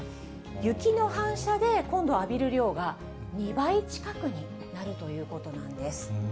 雪の反射で、今度は浴びる量が２倍近くになるということなんです。